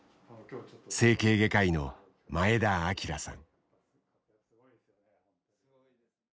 整形外科医の前田朗さん。